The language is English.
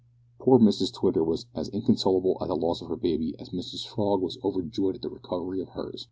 Poor Mrs Twitter was as inconsolable at the loss of her baby as Mrs Frog was overjoyed at the recovery of hers.